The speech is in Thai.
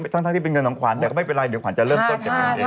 ทั้งที่เป็นเงินของขวัญแต่ก็ไม่เป็นไรเดี๋ยวขวัญจะเริ่มต้นเก็บเงินเอง